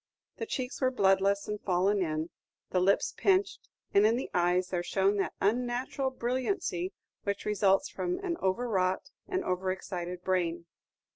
The cheeks were bloodless and fallen iq, the lips pinched, and in the eyes there shone that unnatural brilliancy which results from an over wrought and over excited brain.